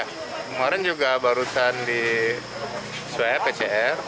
kemarin juga barusan di swab pcr